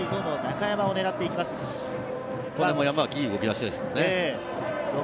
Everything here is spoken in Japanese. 山脇、いい動きだしですね。